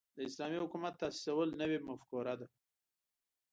د اسلامي حکومت تاسیسول نوې مفکوره ده.